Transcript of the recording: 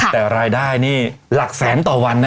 แต่รายได้นี่หลักแสนต่อวันนะ